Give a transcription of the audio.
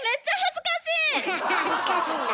恥ずかしいんだ。